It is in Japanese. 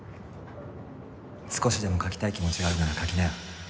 少しでも描きたい気持ちがあるなら描きなよ。